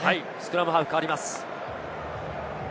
スクラムハーフ代わります。